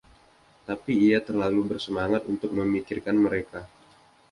Tapi ia terlalu bersemangat untuk memikirkan mereka.